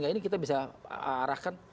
ini kita bisa arahkan